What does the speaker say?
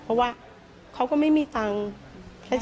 เพราะว่าเขาก็ไม่มีตังค์